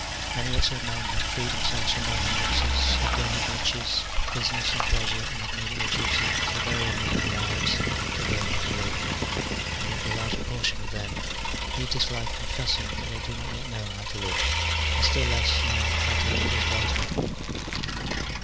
Many excellent men have freed themselves from all hindrances, have given up riches, business, and pleasure, and have made it their duty to the very end of their lives to learn how to live : and yet the larger portion of them leave this life confessing that they do not yet know how to live, and still less know how to live as wise men.